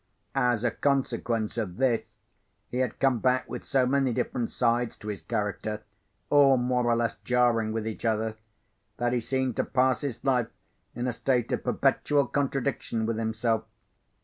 As a consequence of this, he had come back with so many different sides to his character, all more or less jarring with each other, that he seemed to pass his life in a state of perpetual contradiction with himself.